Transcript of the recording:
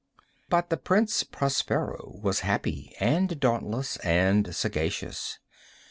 But the Prince Prospero was happy and dauntless and sagacious.